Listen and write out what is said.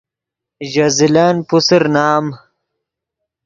ژے زلن پوسر نام